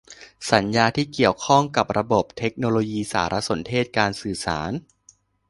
สัญญาที่เกี่ยวข้องกับระบบเทคโนโลยีสารสนเทศและการสื่อสาร